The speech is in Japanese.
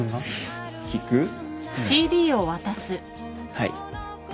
はい。